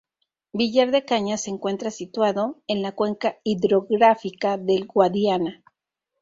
Villar de Cañas se encuentra situado en la cuenca hidrográfica del Guadiana.